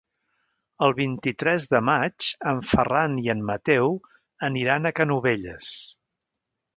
El vint-i-tres de maig en Ferran i en Mateu aniran a Canovelles.